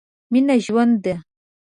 مينه ژوند ده.